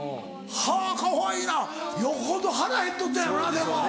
はぁかわいいなよほど腹へっとったんやろなでも。